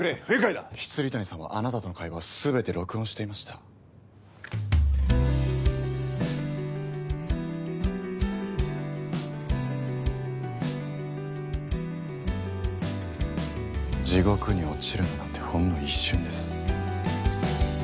未谷さんはあなたとの会話を全て録音地獄に落ちるのなんてほんの一瞬です。